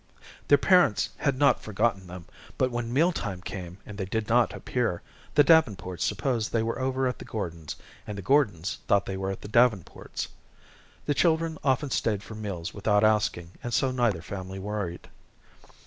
Their parents had not forgotten them, but when meal time came and they did not appear, the Davenports supposed they were over at the Gordons', and the Gordons thought they were at the Davenports'. The children often stayed for meals without asking, and so neither family worried.